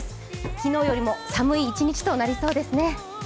昨日よりも寒い一日となりそうですね。